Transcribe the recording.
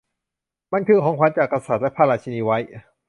มันคือของขวัญจาก กษัตริย์และพระราชินีไวท์